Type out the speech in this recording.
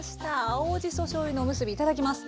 青じそしょうゆのおむすびいただきます。